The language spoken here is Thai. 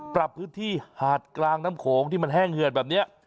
ปรับพื้นที่หาดกลางน้ำโขงที่มันแห้งเหือดแบบนี้